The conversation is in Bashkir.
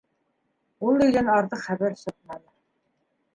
Ул өйҙән артыҡ хәбәр сыҡманы.